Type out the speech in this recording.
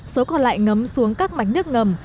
số còn lại ngấm xuống các mảnh nước ngầm